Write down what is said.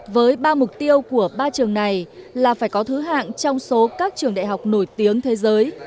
với ba mục tiêu của ba trường này là phải có thứ hạng trong số các trường đại học nổi tiếng thế giới